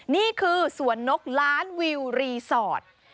นี่คือสวนนกล้านวิวรีสอร์ท